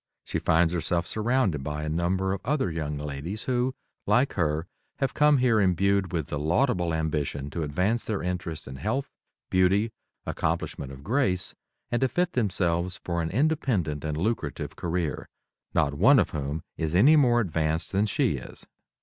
She finds herself surrounded by a number of other young ladies who, like her, have come here imbued with the laudable ambition to advance their interests in health, beauty, accomplishment of grace, and to fit themselves for an independent and lucrative career, not one of whom is any more advanced than she is.